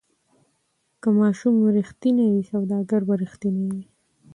که ماشوم ریښتینی وي سوداګر به ریښتینی وي.